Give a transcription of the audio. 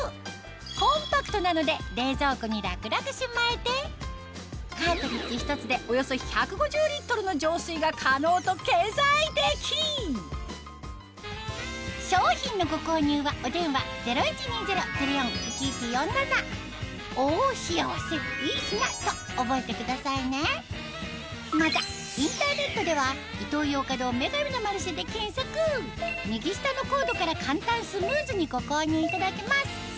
コンパクトなので冷蔵庫に楽々しまえてが可能と経済的商品のご購入はお電話０１２０−０４−１１４７と覚えてくださいねまたインターネットでは右下のコードから簡単スムーズにご購入いただけます